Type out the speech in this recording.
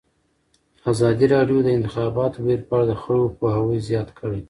ازادي راډیو د د انتخاباتو بهیر په اړه د خلکو پوهاوی زیات کړی.